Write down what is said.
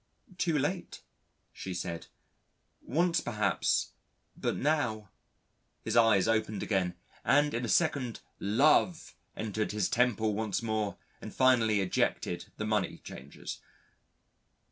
"Too late," she said. "Once perhaps ... but now...." His eyes opened again, and in a second Love entered his Temple once more and finally ejected the money changers.